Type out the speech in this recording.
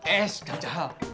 eh sudah jahal